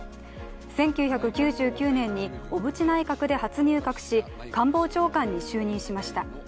１９９９年に小渕内閣で初入閣し官房長官に就任しました。